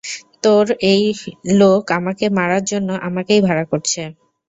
তোর ওই লোক আমাকে মারার জন্য আমাকেই ভাড়া করছে।